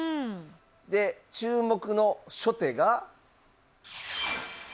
で注目の初手が。